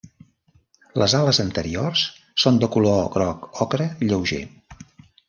Les ales anteriors són de color groc ocre lleuger.